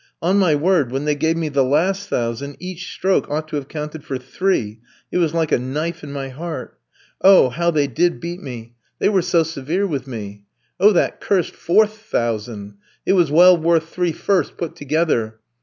On my word, when they gave me the last thousand each stroke ought to have counted for three, it was like a knife in my heart. Oh, how they did beat me! They were so severe with me. Oh, that cursed fourth thousand! it was well worth three firsts put together.